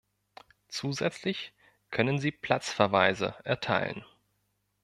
Zusätzlich können sie Platzverweise erteilen.